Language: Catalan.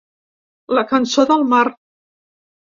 La cançó del mar.